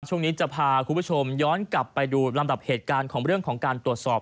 ช่วงนี้จะพาคุณผู้ชมย้อนกลับไปดูลำดับเหตุการณ์ของเรื่องของการตรวจสอบ